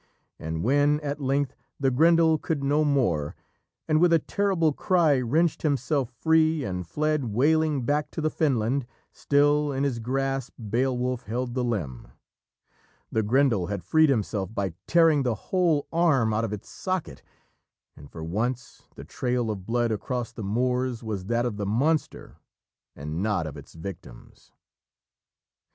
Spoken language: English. And when at length the Grendel could no more, and with a terrible cry wrenched himself free, and fled, wailing, back to the fenland, still in his grasp Beowulf held the limb. The Grendel had freed himself by tearing the whole arm out of its socket, and, for once, the trail of blood across the moors was that of the monster and not of its victims.